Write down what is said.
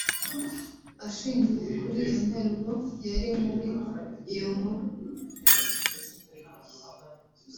Ashingiye kuri iyo nteruro yari muri iyo nkuru